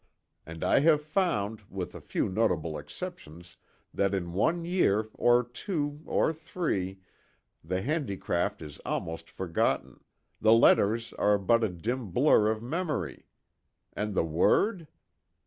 And I have found, with a few notable exceptions that in one year, or two, or three, the handicraft is almost forgotten, the letters are but a dim blur of memory, and the Word?"